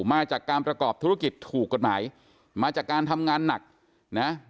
มาจากการประกอบธุรกิจถูกกฎหมายมาจากการทำงานหนักนะ